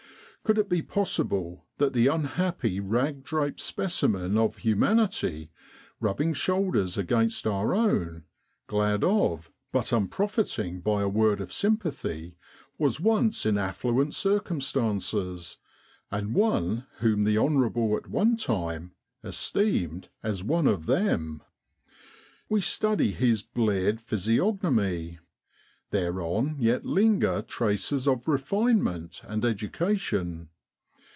Could it be possible that the unhappy, rag draped specimen of humanity rubbing shoul ders against our own, glad of, but unprofiting by a word of sympathy, was once in affluent circumstances, and one whom the honourable at one time esteemed as one of them? We study his bleared physiognomy; thereon yet linger traces of refine ment and education.